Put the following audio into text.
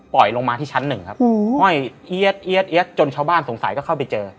ลงมาที่ชั้นหนึ่งครับห้อยเอี๊ยดจนชาวบ้านสงสัยก็เข้าไปเจอ